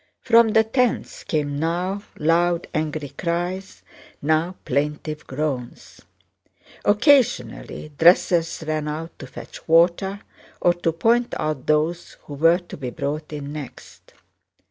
From the tents came now loud angry cries and now plaintive groans. Occasionally dressers ran out to fetch water, or to point out those who were to be brought in next.